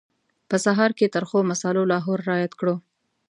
په سهار کې ترخو مسالو لاهور را یاد کړو.